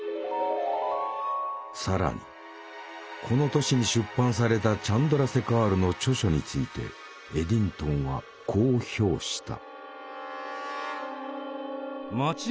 更にこの年に出版されたチャンドラセカールの著書についてエディントンはこう評した。